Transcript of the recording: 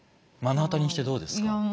目の当たりにしてどうですか？